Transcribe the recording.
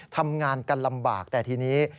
ทำงานกันลำบากแต่ทีนี้